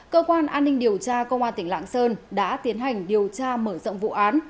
cơ quan an ninh điều tra công an tỉnh lạng sơn đã tiến hành điều tra mở rộng vụ án